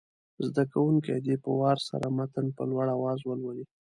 زده کوونکي دې په وار سره متن په لوړ اواز ولولي.